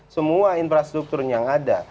semua infrastruktur yang ada